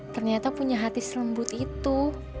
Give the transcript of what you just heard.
ternyata punya hati selembut itu